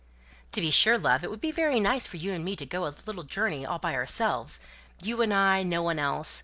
"To be sure, love, it would be very nice for you and me to go a little journey all by ourselves. You and I. No one else.